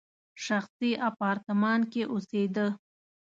شخصي اپارتمان کې اوسېده.